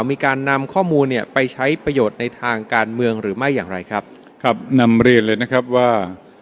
มีการนำข้อมูลเนี่ยไปใช้ประโยชน์ในทางการเมืองหรือไม่อย่างไรครับครับนำเรียนเลยนะครับว่า